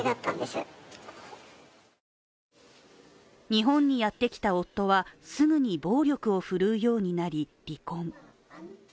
日本にやってきた夫はすぐに暴力を振るうようになり、離婚。